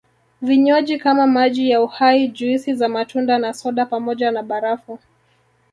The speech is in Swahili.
Vinywaji kama maji ya Uhai juisi za matunda na soda pamoja na barafu